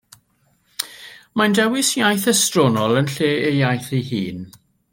Mae'n dewis iaith estronol yn lle ei iaith ei hun.